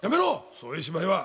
そういう芝居は。